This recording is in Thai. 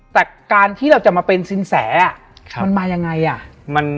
แต่การที่เราจะมาเป็นสินแสมันมายังไงอ่ะ